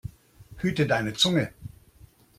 Hüte deine Zunge!